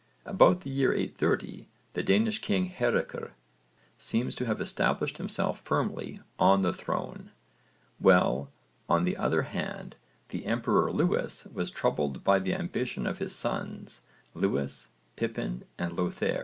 About the year 830 the Danish king Hárekr seems to have established himself firmly on the throne, while on the other hand the emperor Lewis was troubled by the ambition of his sons Lewis, Pippin and Lothair.